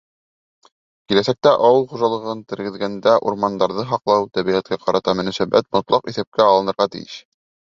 — Киләсәктә ауыл хужалығын тергеҙгәндә урмандарҙы һаҡлау, тәбиғәткә ҡарата мөнәсәбәт мотлаҡ иҫәпкә алынырға тейеш.